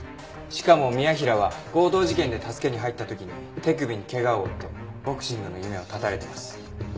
しかも宮平は強盗事件で助けに入った時に手首に怪我を負ってボクシングの夢を絶たれてます。